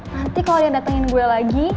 nanti kalau ada yang datengin gue lagi